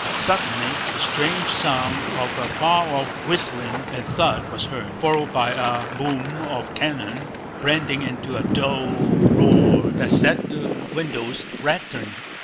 Suddenly the strange sound of a far off whistling and thud was heard, followed by a boom of cannon blending into a dull roar that set the windows rattling.